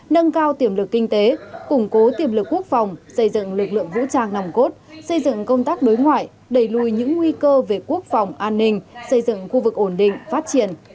nâng cao tiềm lực kinh tế củng cố tiềm lực quốc phòng xây dựng lực lượng vũ trang nòng cốt xây dựng công tác đối ngoại đẩy lùi những nguy cơ về quốc phòng an ninh xây dựng khu vực ổn định phát triển